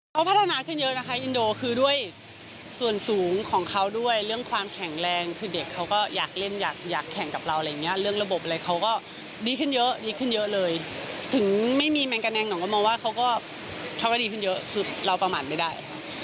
เขาพัฒนาขึ้นเยอะนะคะอินโดคือด้วยส่วนสูงของเขาด้วยเรื่องความแข็งแรงคือเด็กเขาก็อยากเล่นอยากอยากแข่งกับเราอะไรอย่างเงี้ยเรื่องระบบอะไรเขาก็ดีขึ้นเยอะดีขึ้นเยอะเลยถึงไม่มีแมงกาแนงก็มองว่าเขาก็ทำได้ดีขึ้นเยอะคือเราประมาทไม่ได้